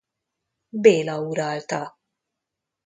Béla uralta.